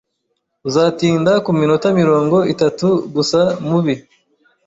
Uzatinda kuminota mirongo itatu gusa mubi.